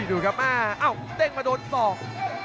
โอ้โหดูครับอ้าวเต้งมาโดนสอง